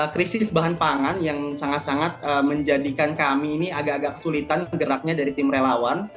krisis bahan pangan yang sangat sangat menjadikan kami ini agak agak kesulitan geraknya dari tim relawan